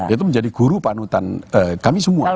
itu menjadi guru panutan kami semua